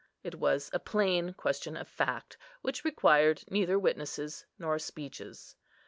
It was a plain question of fact, which required neither witnesses nor speeches.